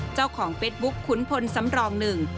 เจ้าของเฟสบุ๊คขุนพลสำรองหนึ่ง